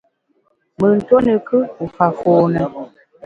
Mùn tuo ne kù, u fa fône.